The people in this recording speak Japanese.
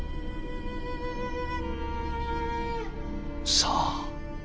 さあ。